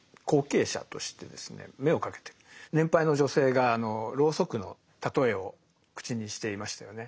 年配の女性がロウソクの例えを口にしていましたよね。